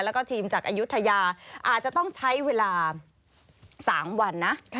แล้วก็ทีมจากอายุทยาอาจจะต้องใช้เวลา๓วันนะ